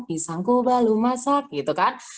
pisangku baru masak gitu kan